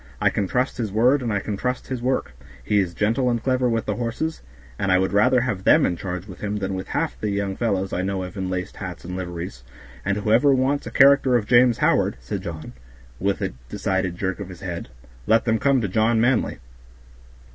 I can trust his word and I can trust his work; he is gentle and clever with the horses, and I would rather have them in charge with him than with half the young fellows I know of in laced hats and liveries; and whoever wants a character of James Howard," said John, with a decided jerk of his head, "let them come to John Manly."